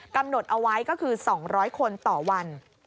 กำหนดเอาไว้ก็คือ๒๐๐คนต่อวัน